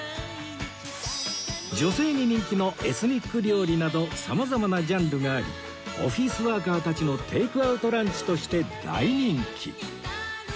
女性に人気のエスニック料理など様々なジャンルがありオフィスワーカーたちのテイクアウトランチとして大人気